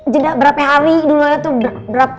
jeda berapa hari dulu aja tuh berapa